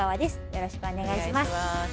よろしくお願いします